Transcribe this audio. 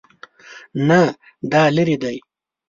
نه، دا لیرې دی